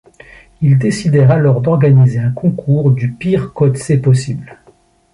Ils décidèrent alors d'organiser un concours du pire code C possible.